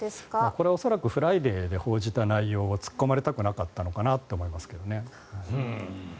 これは恐らく「フライデー」で報じられた内容を突っ込まれたくなかったのかなと思いますけどね。